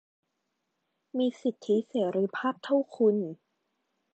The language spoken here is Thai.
มีสิทธิเสรีภาพเท่าคุณ